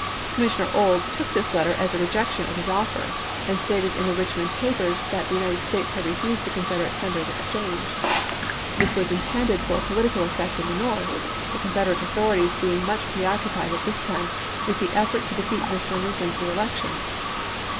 Commissioner Ould took this letter as a rejection of his offer, and stated in the Richmond papers that the United States had refused the Confederate tender of exchange. This was intended for politi cal effect in the North — the Confederate authorities being much preoccupied at this time with the effort to defeat Mr. Lincoln's reelection.